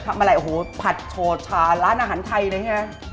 ทำอะไรโอ้โหผัดโชชาร้านอาหารไทยนะฮะ